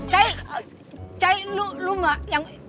cai cai lu lu mah yang